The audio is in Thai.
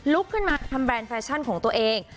ลุกขึ้นมาทำแบรนด์แฟชั่นของตัวเอง